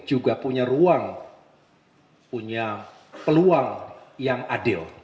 juga punya ruang punya peluang yang adil